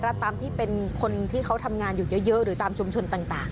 แล้วตามที่เป็นคนที่เขาทำงานอยู่เยอะหรือตามชุมชนต่าง